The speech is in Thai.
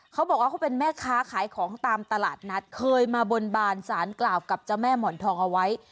เขาบอกว่าเขาเป็นแม่ค้าขายของตามตลาดนัดเคยมาบนบานสารกล่าวกับเจ้าแม่หมอนทองเอาไว้